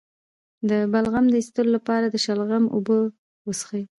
د بلغم د ایستلو لپاره د شلغم اوبه وڅښئ